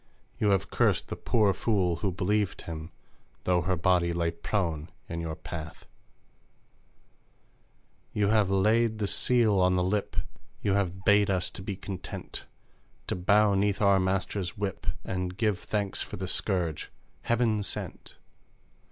You have cursed the pour fool who believed him, Though her body lay prone in your path ! You have laid the seal on the lip ! You have bade us to be content ! To bow 'neath our master's whip, And give thanks for the scourge "heaven sent."